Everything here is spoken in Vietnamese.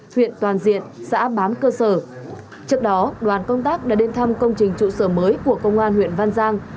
huyện toàn diện xã bám cơ sở trước đó đoàn công tác đã đến thăm công trình trụ sở mới của công an huyện văn giang